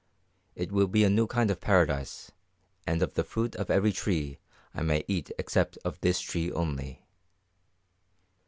"It will be a new kind of paradise, and of the fruit of every tree I may eat except of this tree only."